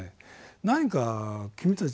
何か君たち